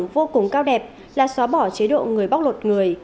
vô cùng cao đẹp là xóa bỏ chế độ người bóc lột người